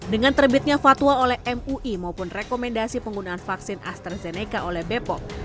dengan terbitnya fatwa oleh mui maupun rekomendasi penggunaan vaksin astrazeneca oleh bepom